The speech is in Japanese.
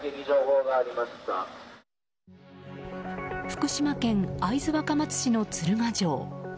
福島県会津若松市の鶴ヶ城。